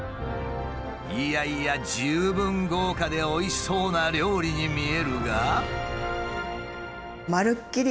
いやいや十分豪華でおいしそうな料理に見えるが。